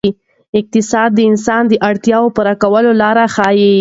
اقتصاد د انسان د اړتیاوو پوره کولو لارې ښيي.